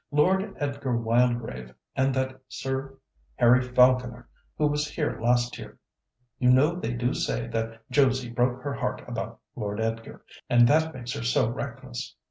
Lord Edgar Wildgrave and that Sir Harry Falconer who was here last year (you know they do say that Josie broke her heart about Lord Edgar, and that makes her so reckless).